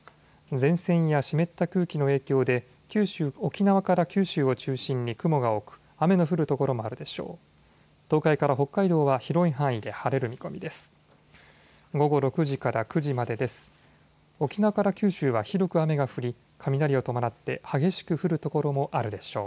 前線や湿った空気の影響で沖縄から九州を中心に雲が多く、雨の降る所もあるでしょう。